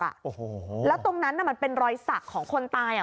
โอ้โหแล้วตรงนั้นน่ะมันเป็นรอยสักของคนตายอ่ะ